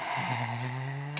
へえ。